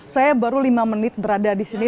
saya baru lima menit berada disini